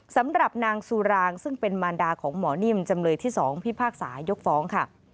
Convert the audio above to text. สำหรับนางสุรางซึ่งเป็นมารดาของหมอนิ่มจำเลยที่๒พิพากษายกฟ้องค่ะ